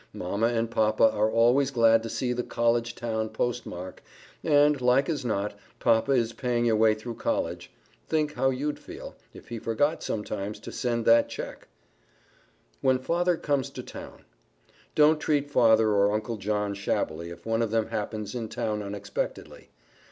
Mama and Papa are always glad to see the College town postmark; and, like as not, Papa is paying your way through College. Think how you'd feel, if he forgot, sometimes, to send that check! [Sidenote: WHEN FATHER COMES TO TOWN] Don't treat Father or Uncle John shabbily if one of them happens in town unexpectedly.